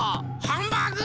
ハンバーグ！